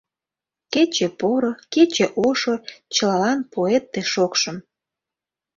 Кече — поро, кече — ошо, Чылалан пуэт тый шокшым.